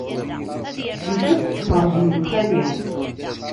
Ifukk ttmeṛ di nnxali.